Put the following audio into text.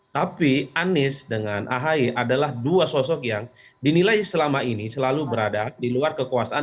tapi anies dengan ahy adalah dua sosok yang dinilai selama ini selalu berada di luar kekuasaan